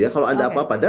kalau ada apa apa